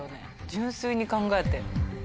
純粋に考えて。